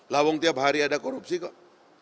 lawang tiap hari ada korupsi kok